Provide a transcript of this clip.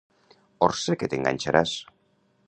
Orsa que t'enganxaràs.